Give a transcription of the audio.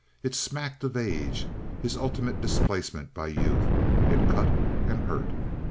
It smacked of age, his ultimate displacement by youth. It cut and hurt.